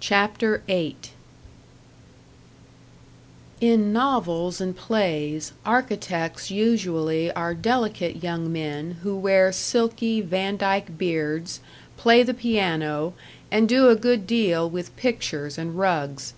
CHAPTER VIII In novels and plays architects usually are delicate young men who wear silky Vandyke beards, play the piano, and do a good deal with pictures and rugs.